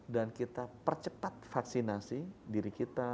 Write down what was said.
dan kita percepat vaksinasi diri kita